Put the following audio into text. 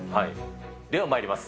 ではまいります。